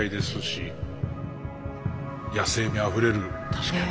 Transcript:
確かに。